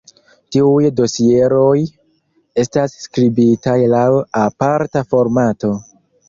Tiuj dosieroj estas skribitaj laŭ aparta formato.